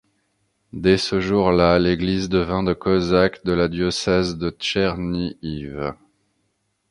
Dés ce jour-là, l’église devint de cosaque de la diocèse de Tchernihiv.